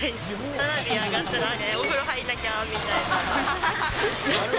花火上がったら、お風呂入らなきゃみたいな。